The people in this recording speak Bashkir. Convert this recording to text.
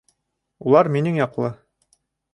Улар минең яҡлы.